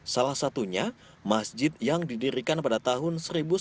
salah satunya masjid yang didirikan pada tahun seribu sembilan ratus sembilan puluh